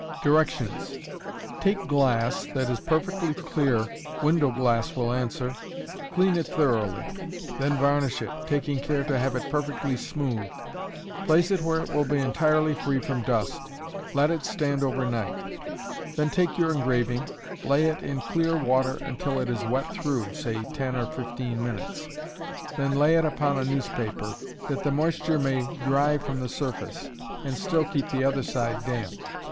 Directions. Take glass that is perfectly clear window glass will answer clean it thoroughly; then varnish it, taking care to have it perfectly smooth; place it where it will be entirely free from dust; let it stand over night; then take your engraving, lay it in clear water until it is wet through (say ten or fifteen minutes), then lay it upon a newspaper, that the moisture may dry from the surface, and still keep the other side damp.